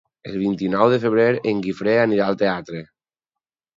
El vint-i-nou de febrer en Guifré anirà al teatre.